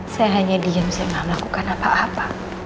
saya hanya diem saya nggak mau lakukan apa apa